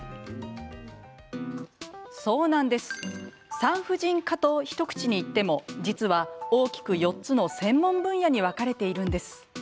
産婦人科と一口に言っても実は大きく４つの専門分野に分かれているんです。